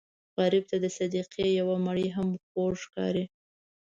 غریب ته د صدقې یو مړۍ هم خوږ ښکاري